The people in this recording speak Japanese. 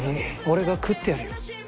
俺が喰ってやるよ